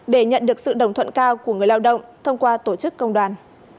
để nhận được sự đồng thuận cao của người lao động thông qua tổ chức công đoàn